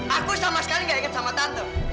aku sama sekali gak ikut sama tante